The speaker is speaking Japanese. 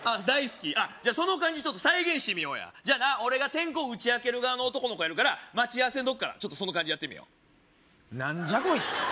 大好き？じゃあその感じちょっと再現してみようやじゃあな俺が転校を打ち明ける側の男の子やるから待ち合わせのとこからちょっとその感じでやってみよう何じゃコイツ？